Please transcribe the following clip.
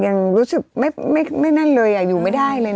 ยังรู้สึกไม่นั่นเลยอยู่ไม่ได้เลยนะ